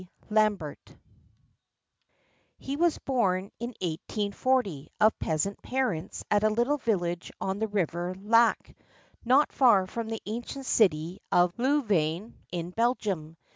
LAMBERT He was born in 1840 of peasant parents at a little village on the river Laak, not far from the ancient city of Lou vain, in Belgium.